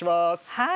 はい。